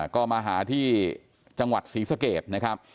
ก็มาหาที่จังหวัดศรีสะเกดนะครับ